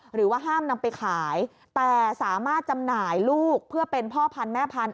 หรือว่าห้ามนำไปขายแต่สามารถจำหน่ายลูกเพื่อเป็นพ่อพันธุแม่พันธุ